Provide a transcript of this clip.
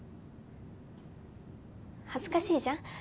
恥ずかしいじゃん？